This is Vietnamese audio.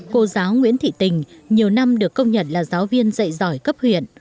cô giáo nguyễn thị tình nhiều năm được công nhận là giáo viên dạy giỏi cấp huyện